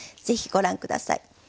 ぜひご覧下さい。